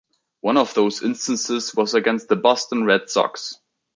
One of those instances was against the Boston Red Sox.